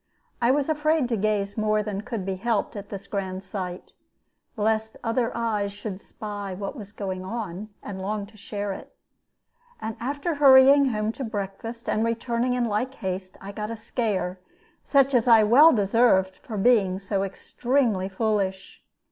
I was afraid to gaze more than could be helped at this grand sight, lest other eyes should spy what was going on, and long to share it. And after hurrying home to breakfast and returning in like haste, I got a scare, such as I well deserved, for being so extremely foolish.